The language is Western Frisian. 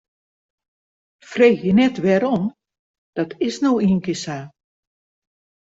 Freegje net wêrom, dat is no ienkear sa.